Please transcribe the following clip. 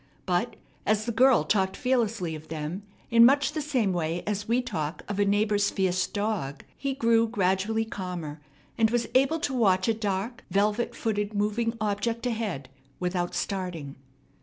But, as the girl talked fearlessly of them in much the same way as we talk of a neighbor's fierce dog, he grew gradually calmer, and was able to watch a dark, velvet footed moving object ahead without starting.